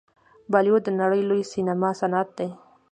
بالیووډ د نړۍ لوی سینما صنعت دی.